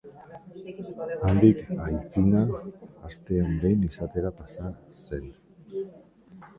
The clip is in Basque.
Handik aitzina astean behin izatera pasa zen.